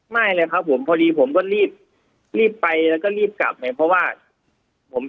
ไม่เลยครับผมพอดีผมก็รีบรีบไปแล้วก็รีบกลับไงเพราะว่าผม